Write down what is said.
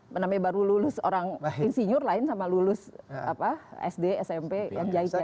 menampil baru lulus orang insinyur lain sama lulus sd smp yang jahit jahit